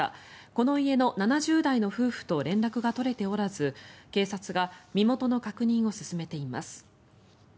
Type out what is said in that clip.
この家の７０代の夫婦と連絡が取れておらず警察が身元の確認を進めています。